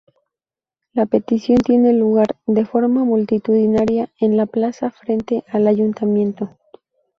La petición tiene lugar, de forma multitudinaria, en la plaza frente al ayuntamiento.